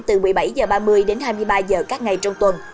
từ một mươi bảy h ba mươi đến hai mươi ba h các ngày trong tuần